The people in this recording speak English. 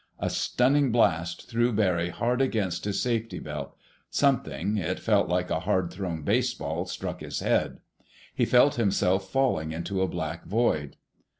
A stunning blast threw Barry hard against his safety belt. Something—it felt like a hard thrown baseball—struck his head. He felt himself falling into a black void.